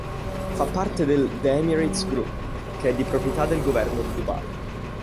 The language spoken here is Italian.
Fa parte del The Emirates Group che è di proprietà del Governo di Dubai.